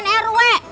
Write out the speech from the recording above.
ini pemilihan rw